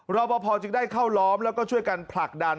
รอปภจึงได้เข้าล้อมแล้วก็ช่วยกันผลักดัน